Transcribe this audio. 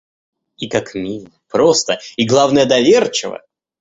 И как мило, просто и, главное, доверчиво!